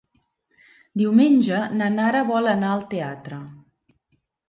Diumenge na Nara vol anar al teatre.